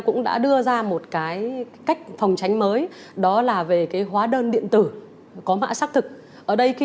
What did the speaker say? cũng đã đưa ra một cái cách phòng tránh mới đó là về cái hóa đơn điện tử có mã xác thực ở đây khi